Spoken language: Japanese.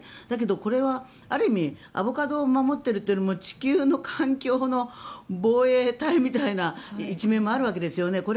だけどこれはある意味アボカドを守っているというより地球の環境の防衛隊みたいな一面もあるわけですよね。